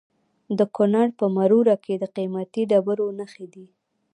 د کونړ په مروره کې د قیمتي ډبرو نښې دي.